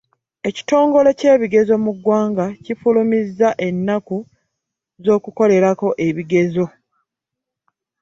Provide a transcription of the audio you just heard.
Ekitongole ky'ebigezo mu ggwanga kifulumizza ennaku ez'okukolerako ebigezo